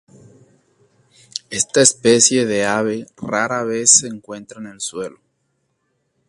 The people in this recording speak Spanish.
Esta especie de ave rara vez se encuentran en el suelo.